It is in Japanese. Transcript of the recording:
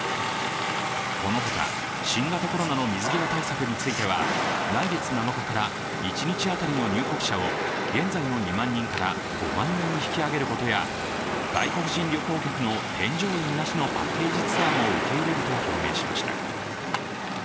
このほか、新型コロナの水際対策については来月７日から一日当たりの入国者を現在の２万人から５万人に引き上げることや外国人旅行客の添乗員なしのパッケージツアーも受け入れると表明しました。